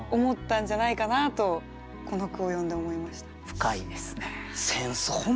深いですね。